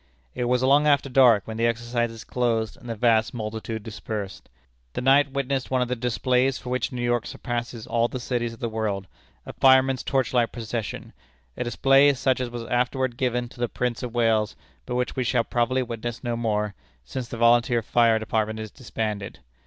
It was long after dark when the exercises closed, and the vast multitude dispersed. The night witnessed one of those displays for which New York surpasses all the cities of the world a firemen's torchlight procession a display such as was afterward given to the Prince of Wales, but which we shall probably witness no more, since the Volunteer Fire Department is disbanded.